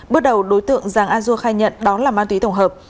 bước đầu đối tượng giàng a dua khai nhận đó là ma túy tổng hợp